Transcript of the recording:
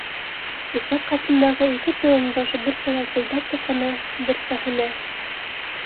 Усаҡ аҫтындағы ике торонбаш берсә ялпылдап тоҡана, берсә һүнә.